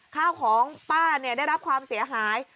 ข้าวของป้าได้รับความเสียหาย